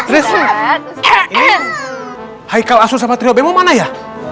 terus ini haikal asur sama trio bemu mana ya